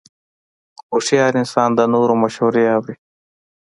هوښیار انسان د نورو مشورې اوري.